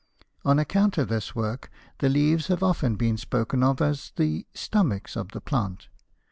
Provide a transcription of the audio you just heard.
On account of this work the leaves have often been spoken of as the "stomachs" of the plant.